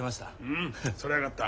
うんそりゃよかった。